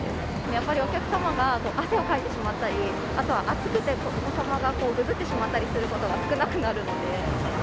やっぱりお客様が汗をかいてしまったり、あとは暑くて、お子様がぐずってしまったりすることが少なくなるので。